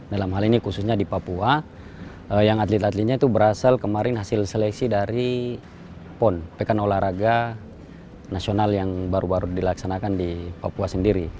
dalam hal ini khususnya di papua yang atlet atletnya itu berasal kemarin hasil seleksi dari pon pekan olahraga nasional yang baru baru dilaksanakan di papua sendiri